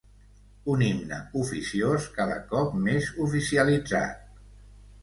Un himne oficiós, cada cop més oficialitzat.